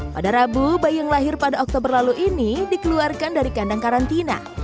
pada rabu bayi yang lahir pada oktober lalu ini dikeluarkan dari kandang karantina